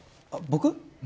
あっ僕？